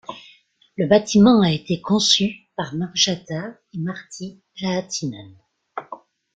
Le bâtiment a été conçu par Marjatta et Martti Jaatinen.